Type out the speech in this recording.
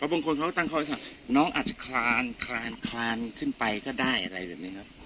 ประบวงคนเขาก็ตั้งคอยส่ะน้องอาจจะคลานคลานคลานขึ้นไปก็ได้อะไรแบบนี้ครับ